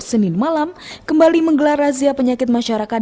senin malam kembali menggelar razia penyakit masyarakat